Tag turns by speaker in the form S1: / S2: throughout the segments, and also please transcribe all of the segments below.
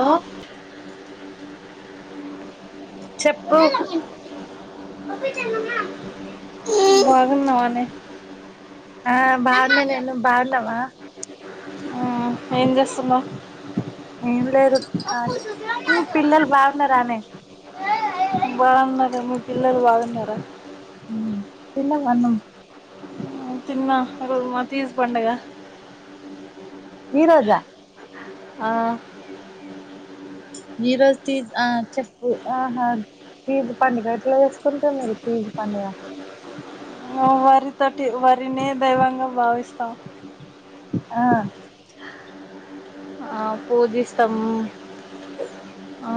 S1: ఆ
S2: చెప్పు
S1: బాగున్నావనే
S2: ఆ బాగున్ననే నువ్వు బాగున్నావా
S1: ఆ ఏం చేస్తున్నావ్
S2: ఏం లేదు కాలి ఊ పిల్లలు బాగున్నారనే
S1: బాగున్నారు తర్ మా పిల్లలు బాగున్నారా
S2: తిన్నావా అన్నం
S1: మ్మ్ తిన్నా ఈరోజు మసీజ్ పండగ
S2: ఈరోజ
S1: ఆ
S2: ఈరోజు తీజ ఆ చెప్పు ఆహా తీజు పండుగ ఎట్ల చేసుకుంటరు మీరు తీజు పండుగ
S1: మ్మ్ వారితోటి వరినే దైవంగా భావిస్తాం
S2: ఆ
S1: ఆ పూజిస్తాం ఆ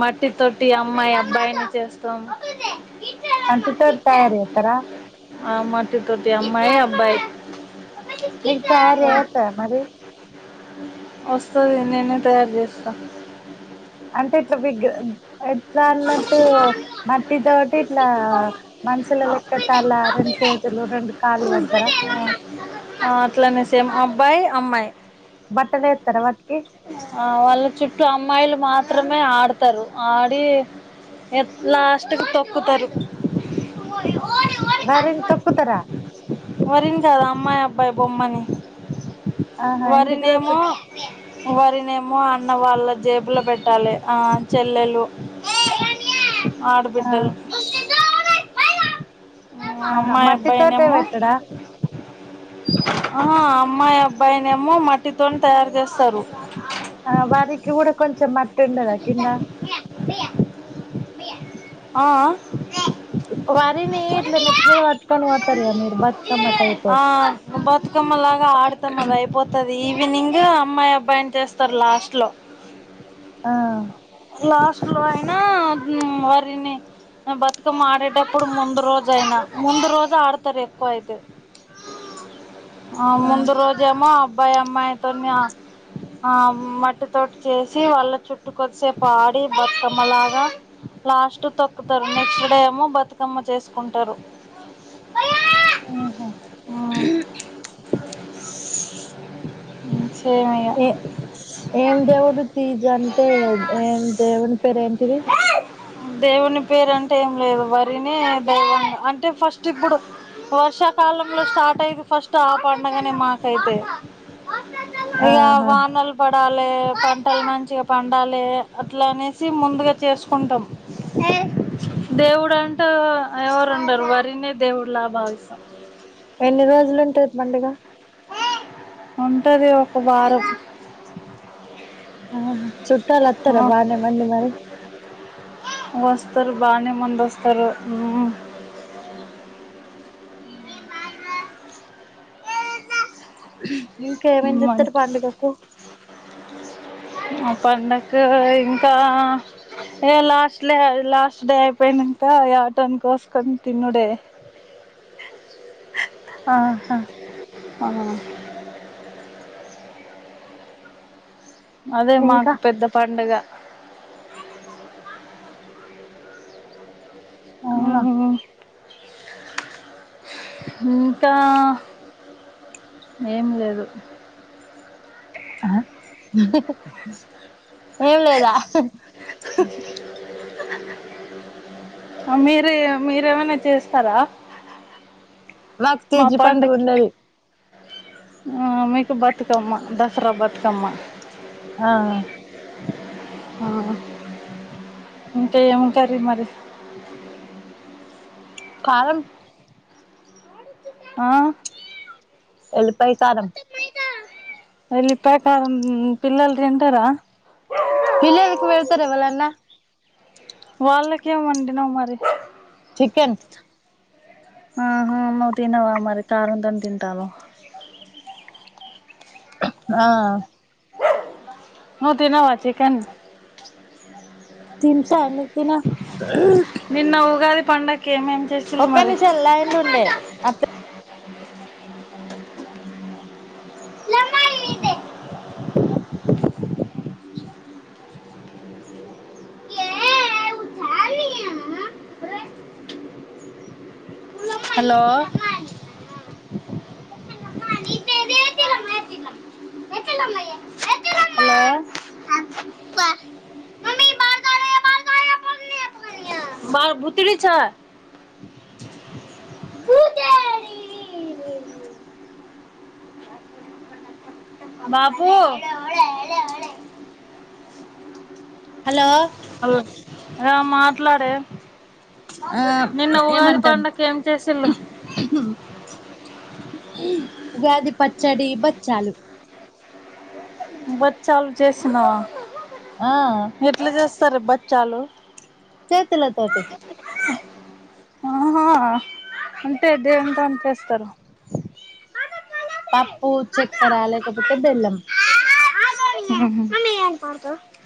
S1: మట్టి తోటి అమ్మాయి అబ్బాయిని చేస్తాం
S2: అంటితోటి తయారు చేస్తారా
S1: ఆ మట్టితోటి అమ్మాయి అబ్బాయ్
S2: నీకు తయారు జేయొత్తదా మరి
S1: వస్తది లే నేనే తయారు చేస్తా
S2: అంటే ఇట్ల బిగ్గు ఎట్లా అన్నట్టు మట్టితోటి ఇట్లా మనుషుల లెక్క తల రెండు చేతులు రెండు కాళ్ళు పెడతారా
S1: తెమ్ అబ్బాయ్ అమ్మాయ్
S2: బట్టలేత్తరా వ
S1: ఆ వాళ్ళ చుట్టూ అమ్మాయిలు మాత్రమే ఆడతారు ఆడి ఎ లాస్ట్ కి తొక్కుతారు
S2: వరిన్ తొక్కుతరా
S1: వరిన్ కదా అమ్మాయి అబ్బాయి బొమ్మని
S2: ఆహా ఎందుకు
S1: వరినేమో
S2: దొక్కుత్
S1: వరినేమో అన్న వాళ్ళ జేబులో పెట్టాలి ఆ చెల్లెలు
S2: ఆ
S1: ఆడబిడ్డలు
S2: ఆహా
S1: అమ్మాయి
S2: మట్టితోటే
S1: అబ్బాయినేమో
S2: వెట్ ర
S1: ఆ అమ్మాయ్ అబ్బాయినేమో మట్టితోని తయారు జేస్తారు.
S2: ఆ వరికి గూడా కొంచం మ టుండదా కింద
S1: ఆ అ
S2: వరిని ఇట్ల నెత్తి మీద పట్టుకొని పోతారు కదా బతుకమ్మ టైపు
S1: ఆ ది ఈవినింగ్ అమ్మాయి అబ్బాయిని చేస్తారు లాస్ట్ లో
S2: ఆ
S1: లాస్ట్లో అయినా మ్ వారిని బతుకమ్మ ఆడేటప్పుడు ముందు రోజయినా ముందు రోజు ఆడతారు ఎక్కువ అయితే ఆ ముందు రోజేమో అబ్బాయి అమ్మాయితోని ఆ మట్టితోటి చేసి వాళ్ళ చు చుట్టు కొద్దిసేపు ఆడి బతుకమ్మ లాగా లాస్ట్ తొక్కుతారు నెక్స్ట్ డే ఏమో బతుకమ్మ చేసుకుంటారు
S2: ఉహు
S1: ఆ
S2: ఏ ఏం దేవుడు తీజ అంటే ఏం దేవుడి పేరేంటిది
S1: దేవుని పేరుంటే ఏం లేదు వరినే దైవ అంటే ఫస్ట్ ఇప్పుడు వర్షాకాలంలో స్టార్ట్ అయిది ఫస్ట్ ఆ పడుగనే మాకైతే ఇక
S2: ఆహా
S1: వానల్ పడాల లే పంటలు మంచిగా పండాలి అట్లా అనేసి ముందుగా చేసుకుంటాం దేవుడు అంటే ఎవరు ఉండరు వరినే దేవుడులా భావిస్తాం
S2: ఎన్ని రోజులు ఉంటాది పండుగ
S1: ఉంటది ఒక వారం
S2: ఆ చుట్టాలొత్తారా బానే మంది మరి
S1: వస్తారు బానే మందొస్తారు
S2: అ ఇంకా ఏం ఏమి చేస్తారు
S1: మ
S2: పండుగకు
S1: ఆ పడుకు ఇంకా ఏ లాస్ట్ లే లాస్ట్ డే అయిపోయినాంక యాటని కోసుకొని తినుడే
S2: ఆహా
S1: ఆ అదే
S2: ఇంకా
S1: మాకు పెద్ద పండగ
S2: అవునా
S1: మ్మ్ ఇంకా ఏం లేదు
S2: ఏం లేదా
S1: మీరు మీరు మీరేమైనా చేస్తారా
S2: మాకు
S1: మా
S2: తిజి పండుగ
S1: పండక్కి
S2: ఉన్నది
S1: మీకు బతుకమ్మా దసరా బతుకమ్మా
S2: ఆ
S1: ఆ ఇంకా ఏం కర్రీ మరి
S2: కారం
S1: ఆ
S2: ఎల్లిపాయ కారం
S1: ఎల్లిపాయ కారం పిల్లల తింటారా
S2: పిల్లలకి పెడతారా ఎవరన్న
S1: వాళ్ళకేం వండినావు మరి
S2: చికెన్
S1: ఆహా నువ్వు తినవా మరి కారం తోనే తింటావా
S2: ఆ
S1: నువ్వు తినవా చికెన్
S2: తింటా ఎందుకు తిన
S1: నిన్న ఉగాది పండకి
S2: ఒక్క నిమిషం లైన్ లో ఉండే అట్
S1: హలో హలో బా బుతిడిచ బాబు
S2: హలో
S1: హలో ఆ మాట్లాడే
S2: ఆ
S1: నిన్న ఉగాది
S2: ఏమంటాం
S1: పండగ ఏం చేసిల్లు
S2: ఉగాది పచ్చడి బత్ చాలు
S1: బచ్చాలు చేసిన్నావా
S2: ఆ
S1: సరే బచ్చాలు
S2: చేతుల తోటి
S1: ఆహా అంటే దెంతోని చేస్తారు
S2: పప్పు చక్కెర లేకపోతే బెల్లం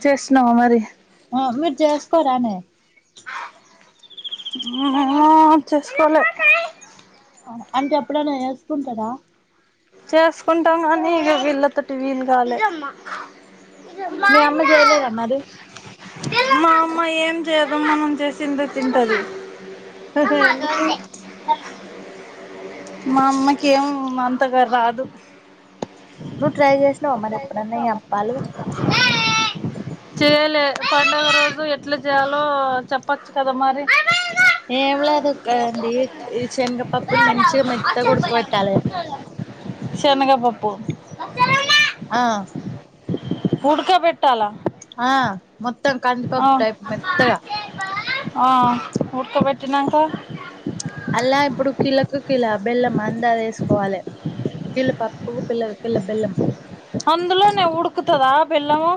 S1: చేస్తున్నావా మరి
S2: ఆ మీరు చేస్కోరానే
S1: మా చసుకోలే
S2: అంటే ఎప్పుడైనా ఏసుకుంటారా
S1: చేసుకుంటాం కానీ ఇగ వీళ్ళతోటి వీలుగాలే
S2: మీ అమ్మ చేయలేరా మరి
S1: మా అమ్మ ఏం చేయదు మనం చేసిందే తింటది
S2: ఎందుకు
S1: మా అమ్మకి ఏం మన్ తగా రాదు
S2: నువ్ ట్రై చేసినావా మరి ఎప్పుడన్నా ఈ అప్పాలు
S1: చేయలే పండుగ రోజు ఎట్లా చెయ్యాలో చెప్పచ్చు కదా మరి
S2: ఏం లేదు గదేంది ఈ చెనగపప్పును మంచిగా మెత్తగ ఉడక పెట్టాలి
S1: షెనగపప్పు
S2: ఆ
S1: ఉడకబెట్టాల
S2: త్తం కందిపప్పు టైప్ మెత్తగా
S1: ఆ ఉడకబెట్టినాంకా
S2: అల్లా ఇప్పుడు కిళలకు కిల బెల్లం అందాజు ఏసుకోవాలే కిళ పప్పుకు పిల్ల కిల బెల్లం
S1: అందులోనే ఉడుకుతదా బెల్లము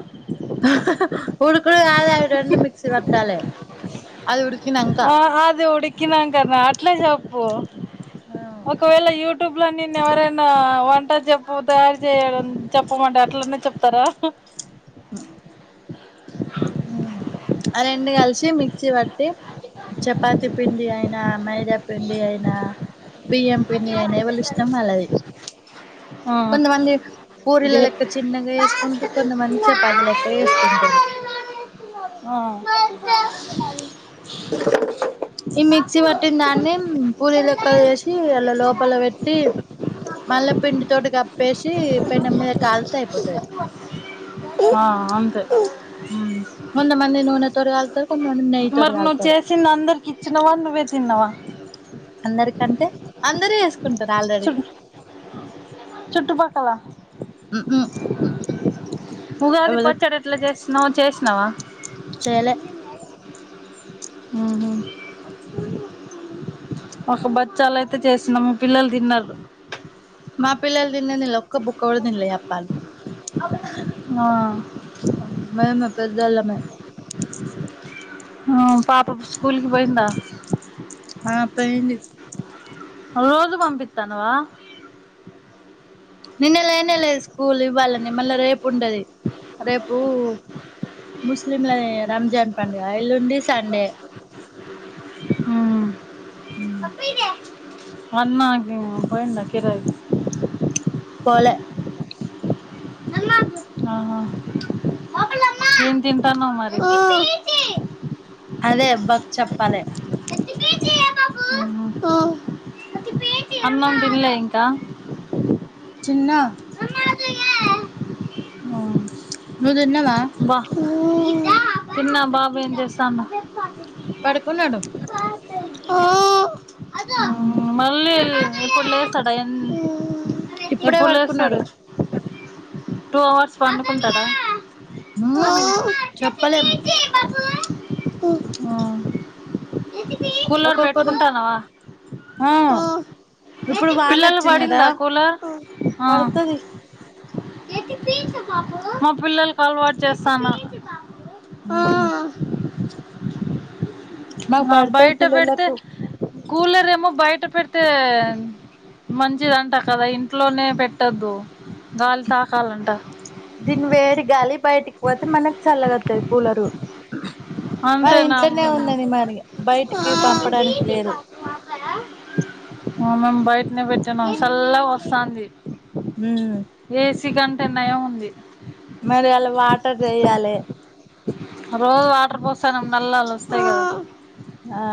S2: ఉడుకుడు గాదు అవి రొండు మిక్స్ గొట్టాలే అది ఉడ
S1: ఆ అది ఉడుకినంకనా ట్లే జొప్పు ఒకవేళ యూట్యూబ్ లో నిన్నేవరైనా వంట జొప్పు తయారు చేయడం చెప్పమంటే అట్లనే చెప్తారా
S2: అ రెండు కలిసి మిక్సీ వట్టి చపాతి పి ఇంది అయినా మెయ్ జె పిండి అయినా బియ్యం వినే నెవల ఇష్టం వాళ్ళది
S1: ఆ
S2: కొంతమంది పూరీల
S1: దేర్
S2: లెక్క చిన్నగా వేసుకుంటారు కొంతమంది చపాతి లెక్క వేసుకుంటారు
S1: ఆ
S2: ఈ మిక్సీ పట్టిన దాన్ని పూరీ లెక్కలు చేేసి అలా లోపల పెట్టి మళ్ళ పిండి తోటి గప్ చెప్పేషి పెనం మీద కాల్తే అయిపోతాది
S1: ఆ అంతే
S2: ఉమ్ కొంత మంది నూనె తో రాల్తే
S1: మరి నువ్వు చేసింది అందరు కిచ్చినవా నువ్వే తిన్నావా
S2: అందరికంటే కుంటరు
S1: చు
S2: ఆల్రెడీ
S1: క్కలా
S2: ఊ ఊ
S1: ఉగాది పచ్చడి ఎట్లా చేస్ నువు చేసినవా
S2: చేలా
S1: మ్మ్ హు పసు బచ్చాలు అయితే చేసినాం పిల్లలు తిన్నారు
S2: మా పిల్లలు దీన్నే తినలే ఒక బుక్వ కూడా తినలే
S1: ఆ
S2: మేమే పెద్దోళ్ళమే
S1: ఆ పాపకు స్కూల్ కి పోయిందా
S2: ఆ పెయింది
S1: రోజు పంపిత్తన్నవా
S2: నిన్న లేనే లేదు స్కూల్ ఇవ్వాలని మళ్ళీ రేపు ఉండది రేపు ముస్లింలది రంజాన్ పడుగ ఎల్లుండి సండే
S1: ఉమ్
S2: అ
S1: అన్నా కి పోయిండా అక్క ఈరోజు
S2: పోలే
S1: ఆహ మేం తింటన్నాం మరి
S2: అదే బక్ చెప్పాలే
S1: అహా అన్నం తినలే ఇంకా
S2: చిన్నా
S1: అవును
S2: నువ్వు తిన్నావా
S1: బా తిన్నా బాబు ఏం చేస్తాండు
S2: పడుకున్నాడు
S1: ఆ ఆ మళ్ళీ ఎప్పుడు లేస్తాడ ఎన్
S2: ఇప్పుడే
S1: ఎప్పుడు
S2: వడుకున్నాడు
S1: లేస్తాడు టూ అవర్స్ పండుకుంటాడ
S2: ఊ చెప్పలేము
S1: ఉ కూలర్
S2: ఒక్కొక్కరు
S1: పెట్టుకుంటనవ
S2: ఆ ఇప్పుడు వాన
S1: పిల్లలకి
S2: వచ్చింది కదా
S1: పడిందా కూలర్
S2: పడుతది
S1: మా పిల్లలకి అలవాటు చేస్తన్న ఆ
S2: మాకు పడతది
S1: బయట పెడితే
S2: పిల్లలకు
S1: కూలర్ ఏమో బయట పెడితే మంచిదంట కదా ఇంట్లోనే పెట్టద్దు
S2: దిన్ వేడి గాలి బయ్ బయటికి పోతే మనకి చల్లగత్తది పూలరు మాది
S1: అంతేనా
S2: ఇంట్లోనే ఉన్నది మరి బయటికి పంపడానికి లేదు
S1: ఆ మేము బయటనే పెట్టానాం చల్ల వస్తంది
S2: ఉమ్
S1: ఏసి కం ఎండయ ఉంది
S2: మరి అలా వాటర్ చెయాలె
S1: రో వా ప పోసానం నల్లగ వస్తాయి కదా
S2: ఆ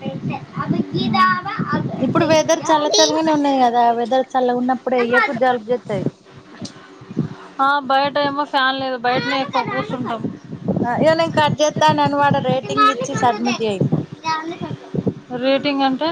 S1: ఆ
S2: ఇప్పుడు వెదర్ చల్ల చలగానే ఉన్నాది కదా వెదర్ చల్ల ఉన్నప్పుడు అయ్యాక జలుబు చేతాయి
S1: చా లేదు బయటనే ఎక్కువ కూర్చుంటాం
S2: ఇయ్యాల ఇంగ కట్ చెత్తను అనుమాట
S1: ఇది
S2: రేటింగ్
S1: మామిడి
S2: ఇచ్చి
S1: తోట ఇదే.
S2: సబ్మిట్ చేయి
S1: ఇది అన్ని తోట. రేటింగ్ అంటే